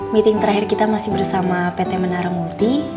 meeting terakhir kita masih bersama pt menara multi